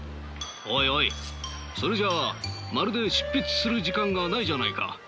おいおいそれじゃあまるで執筆する時間がないじゃないか。